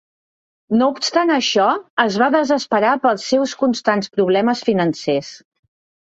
No obstant això, es va desesperar pels seus constants problemes financers.